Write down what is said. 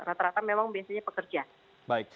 rata rata memang biasanya pekerja